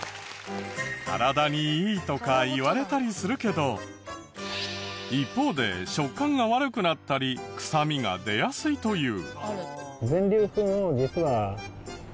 体にいいとかいわれたりするけど一方で食感が悪くなったり臭みが出やすいという。